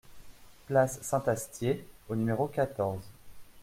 Place Saint-Astier au numéro quatorze